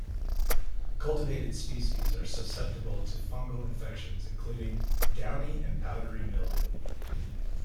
Cultivated species are susceptible to fungal infections including downy and powdery mildew.